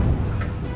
tolong buka ya